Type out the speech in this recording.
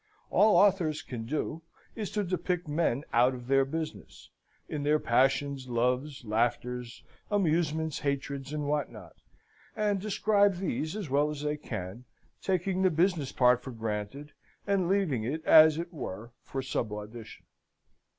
All authors can do, is to depict men out of their business in their passions, loves, laughters, amusements, hatreds, and what not and describe these as well as they can, taking the business part for granted, and leaving it as it were for subaudition.